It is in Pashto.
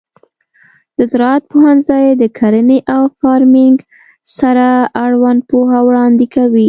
د زراعت پوهنځی د کرنې او فارمینګ سره اړوند پوهه وړاندې کوي.